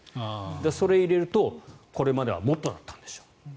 だからそれを入れるとこれまではもっとだったんでしょう。